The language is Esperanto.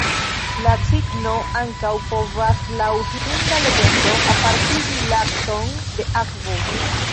La cigno ankaŭ povas, laŭ hinda legendo, apartigi lakton de akvo.